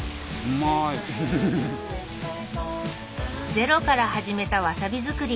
ゼロから始めたわさび作り